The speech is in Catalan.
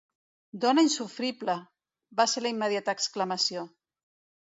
"Dona insofrible!", va ser la immediata exclamació.